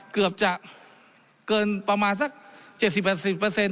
เกือบจะเกินประมาณสักเจ็ดสี่เปอร์สิบเปอร์เซ็นต์